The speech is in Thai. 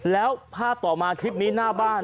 แล้วภาพต่อมาคลิปนี้หน้าบ้าน